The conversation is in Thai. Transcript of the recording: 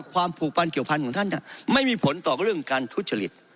ผูกพันเกี่ยวพันธุ์ของท่านไม่มีผลต่อเรื่องการทุจริต